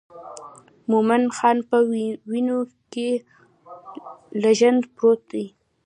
مومن خان په وینو کې لژند پروت دی.